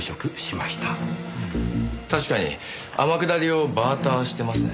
確かに天下りをバーターしてますね。